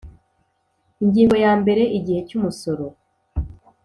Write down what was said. Ingingo ya mbere Igihe cy umusoro